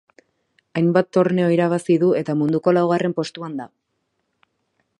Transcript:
Hainbat torneo irabazi du eta munduko laugarren postuan da.